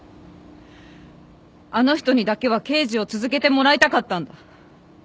あの人にだけは刑事を続けてもらいたかったんだ。